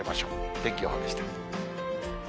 天気予報でした。